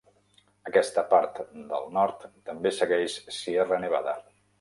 Aquesta part del nord també segueix Sierra Nevada.